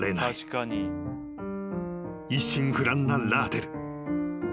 ［一心不乱なラーテル］